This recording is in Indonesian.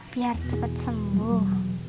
biar cepat sembuh